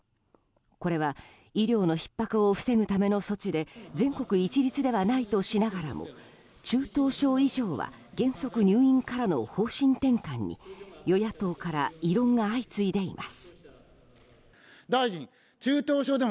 これは医療のひっ迫を防ぐための処置で全国一律ではないとしながらも中等症以上は原則入院からの方針転換に与野党から異論が相次いでいます。